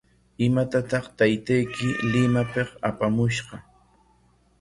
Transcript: ¿Imatataq taytayki Limapik apamushqa?